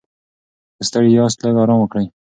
که ستړي یاست، لږ ارام وکړئ.